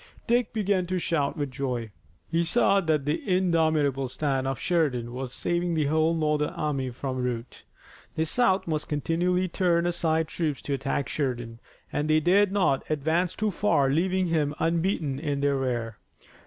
Dick began to shout with joy. He saw that the indomitable stand of Sheridan was saving the whole Northern army from rout. The South must continually turn aside troops to attack Sheridan, and they dared not advance too far leaving him unbeaten in their rear.